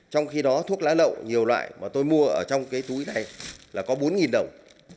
trong khi đó thuốc lá lậu nhiều loại mà tôi mua ở trong cái túi này là có bốn đồng